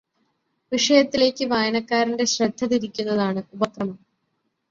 വിഷയത്തിലേയ്ക്ക് വായനക്കാരന്റെ ശ്രദ്ധ തിരിയ്കുന്നതാണ് ഉപക്രമം.